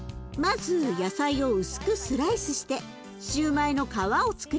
まず野菜を薄くスライスしてシューマイの皮をつくります。